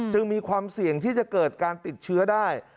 มีความเสี่ยงที่จะเกิดการติดเชื้อได้